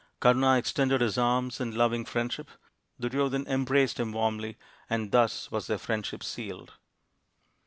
Kama extended his arms in loving friend ship, Duryodhan embraced him warmly, and thus was their friendship sealed.